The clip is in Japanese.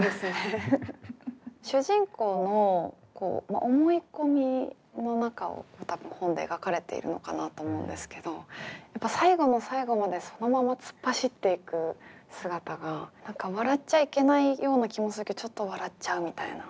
主人公の思い込みの中を多分本で描かれているのかなと思うんですけど最後の最後までそのまま突っ走っていく姿が何か笑っちゃいけないような気もするけどちょっと笑っちゃうみたいな。